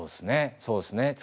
そうっすね。